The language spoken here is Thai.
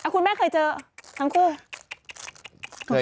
คุณแม่เคยเจอทั้งคู่